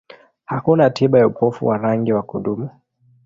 Hakuna tiba ya upofu wa rangi wa kudumu.